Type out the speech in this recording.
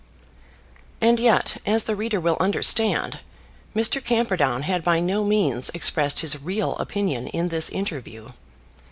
And yet, as the reader will understand, Mr. Camperdown had by no means expressed his real opinion in this interview.